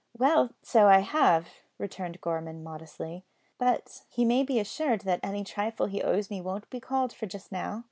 "Well, so I have," returned Gorman modestly, "but he may be assured that any trifle he owes me won't be called for just now.